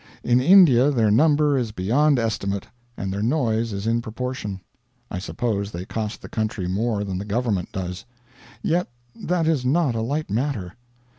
In India their number is beyond estimate, and their noise is in proportion. I suppose they cost the country more than the government does; yet that is not a light matter.